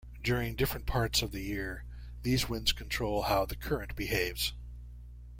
During different parts of the year these winds control how the current behaves.